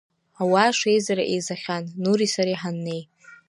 Ауаа шеизара еизахьан Нури сареи ҳаннеи.